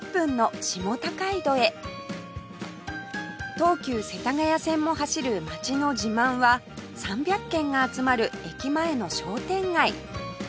東急世田谷線も走る街の自慢は３００軒が集まる駅前の商店街